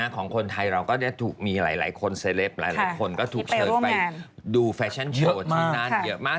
ของคนไทยเราก็ได้ถูกมีหลายคนเซลปหลายคนก็ถูกเชิญไปดูแฟชั่นโชว์ที่นั่นเยอะมาก